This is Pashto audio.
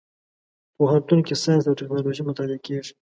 پوهنتون کې ساينس او ټکنالوژي مطالعه کېږي.